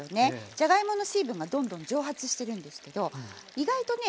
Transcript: じゃがいもの水分がどんどん蒸発してるんですけど意外とね